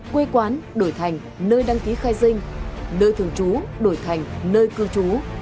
quê quán đổi thành nơi đăng ký khai sinh nơi thường trú đổi thành nơi cư trú